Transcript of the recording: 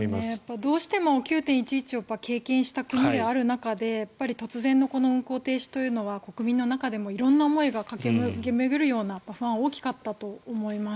どうしても９・１１を経験した国である中で突然のこの運航停止というのは国民の中でも色んな思いが駆け巡るような不安が大きかったと思います。